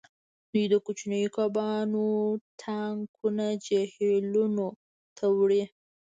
دوی د کوچنیو کبانو ټانکونه جهیلونو ته وړي